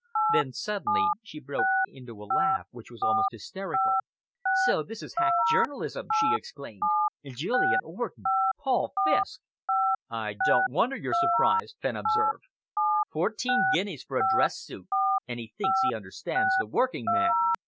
Then she suddenly broke into a laugh which was almost hysterical. "So this is his hack journalism!" she exclaimed. "Julian Orden Paul Fiske!" "I don't wonder you're surprised," Fenn observed. "Fourteen guineas for a dress suit, and he thinks he understands the working man!"